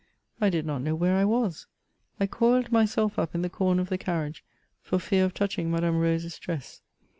I did not know where I was ; I coiled myself up in the comer of the carriage, for fear of touching Madame Rose's dress.